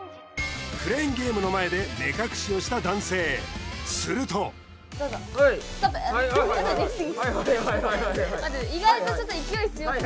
クレーンゲームの前で目隠しをした男性するとヤバいヤバいヤバい